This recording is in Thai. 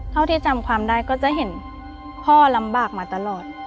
เท่าที่จำความได้ก็จะเห็นพ่อลำบากมาตลอด